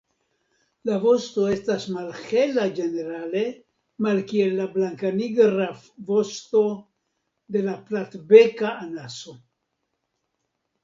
La vosto estas malhela ĝenerale, malkiel la blankanigra vosto de la Platbeka anaso.